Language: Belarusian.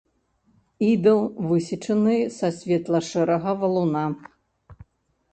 Ідал высечаны са светла-шэрага валуна.